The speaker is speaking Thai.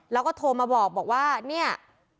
แล้วก็โทรมาบอกว่าเนี่ย